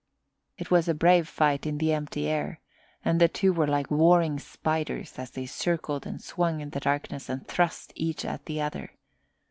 It was a brave fight in the empty air, and the two were like warring spiders as they circled and swung in the darkness and thrust each at the other.